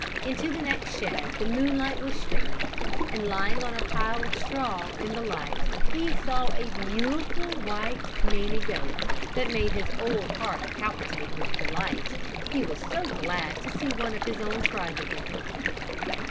Into the next shed the moonlight was streaming, and lying on a pile of straw in the light he saw a beautiful white Nanny goat, that made his old heart palpitate with delight, he was so glad to see one of his own tribe again.